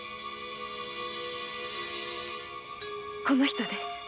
この人です。